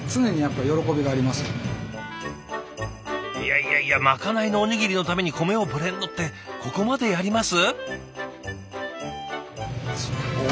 いやいやまかないのおにぎりのために米をブレンドってここまでやります？